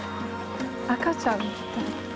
赤ちゃん見たい。